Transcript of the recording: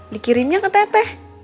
dikirimnya ke teteh